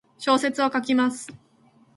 小説を書きます。